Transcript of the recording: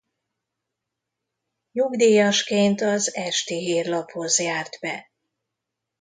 Nyugdíjasként az Esti Hírlaphoz járt be.